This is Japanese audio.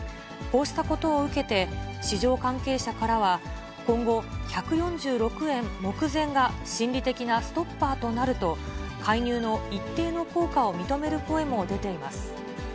こうしたことを受けて、市場関係者からは、今後、１４６円目前が、心理的なストッパーとなると、介入の一定の効果を認める声も出ています。